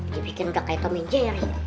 dibikin udah kayak tommy jerry